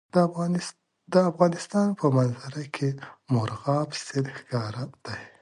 د افغانستان په منظره کې مورغاب سیند ښکاره دی.